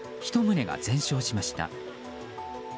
１棟が全焼しました。